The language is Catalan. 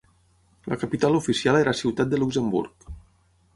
La capital oficial era Ciutat de Luxemburg.